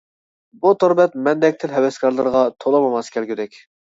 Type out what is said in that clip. بۇ تور بەت مەندەك تىل ھەۋەسكارلىرىغا تولىمۇ ماس كەلگۈدەك.